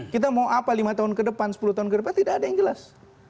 kita mau apa lima tahun ke depan sepuluh tahun ke depan tidak ada yang jelas